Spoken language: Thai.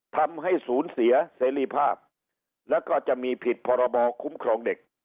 ทำให้ศูนย์เสียเสรีภาพแล้วก็จะมีผิดพรบคุ้มครองเด็ก